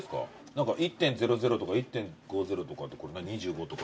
何か１．００とか１．５０とか２５とか。